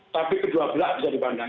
tapi kedua belah bisa dipandang